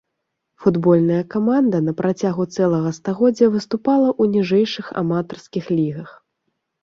Футбольная каманда на працягу цэлага стагоддзя выступала ў ніжэйшых аматарскіх лігах.